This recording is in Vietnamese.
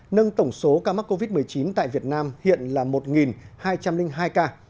nâng tổng số ca mắc covid một mươi chín tại việt nam hiện là một hai trăm linh hai ca